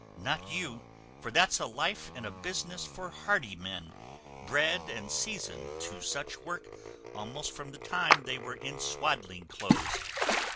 Not you; for that's a life and a business for hardy men, bred and seasoned to such work almost from the time they were in swaddling clothes.